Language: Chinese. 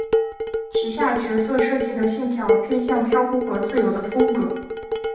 旗下角色设计的线条偏向飘忽和自由的风格。